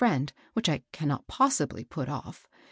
249 fiieiid, which I cannot possibly put oflF.